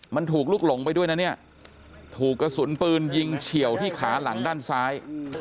มันถูกลุกหลงไปด้วยนะเนี่ยถูกกระสุนปืนยิงเฉียวที่ขาหลังด้านซ้าย